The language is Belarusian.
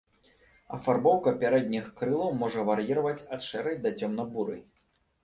Афарбоўка пярэдніх крылаў можа вар'іраваць ад шэрай да цёмна-бурай.